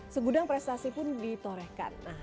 segudang prestasi pun ditorehkan